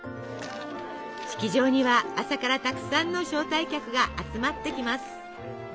式場には朝からたくさんの招待客が集まってきます。